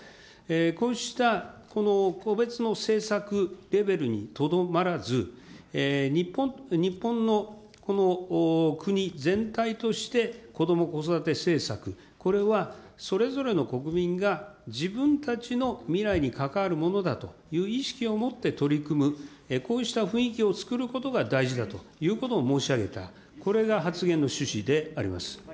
こうした個別の政策レベルにとどまらず、日本のこの国全体として、こども・子育て政策、これはそれぞれの国民が自分たちの未来に関わるものだという意識を持って取り組む、こうした雰囲気をつくることが大事だということを申し上げた、これが発言の趣旨であります。